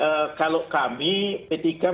meskipun kita masih terlalu prematur